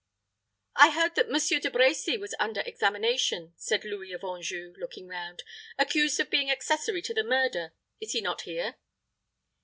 "I heard that Monsieur De Brecy was under examination," said Louis of Anjou, looking round, "accused of being accessory to the murder. Is he not here?"